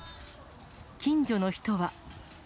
近所の人は。